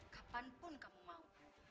kapanpun kamu mau